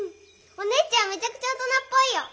お姉ちゃんめちゃくちゃ大人っぽいよ。